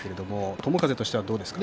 友風としてはどうですか。